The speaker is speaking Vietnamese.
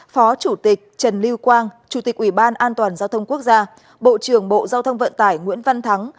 phó chủ tịch trần lưu quang chủ tịch ủy ban an toàn giao thông quốc gia bộ trưởng bộ giao thông vận tải nguyễn văn thắng